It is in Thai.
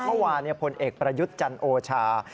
เมื่อวานผลเอกประยุทธ์จันโอชา